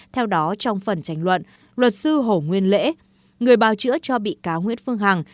theo đó trong phần tranh luận luật sư hổ nguyên lễ người báo chữa cho bị cáo nguyễn phương hằng